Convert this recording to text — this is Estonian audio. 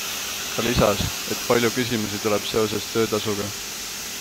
Ta lisas, et palju küsimusi tuleb seoses töötasuga.